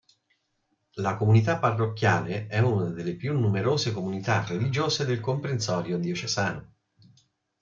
La comunità parrocchiale è una delle più numerose comunità religiose del comprensorio diocesano.